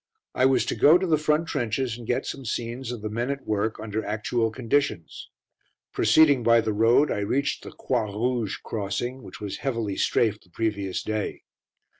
I was to go to the front trenches and get some scenes of the men at work under actual conditions. Proceeding by the Road, I reached the Croix Rouge crossing, which was heavily "strafed" the previous day.